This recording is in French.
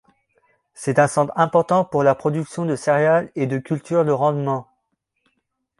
C'est un centre important pour la production de céréales et de culture de rendement.